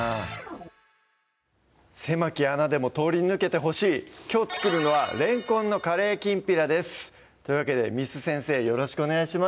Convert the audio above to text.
狭き穴でも通り抜けてほしいきょう作るのは「れんこんのカレーきんぴら」ですというわけで簾先生よろしくお願いします